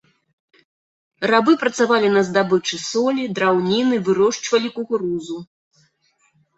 Рабы працавалі на здабычы солі, драўніны, вырошчвалі кукурузу.